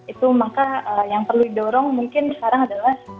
itu maka yang perlu didorong mungkin sekarang adalah